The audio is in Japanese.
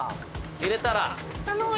入れたら。